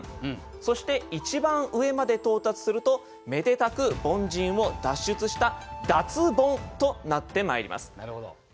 そして一番上まで到達するとめでたく凡人を脱出した脱ボンとなってまいります。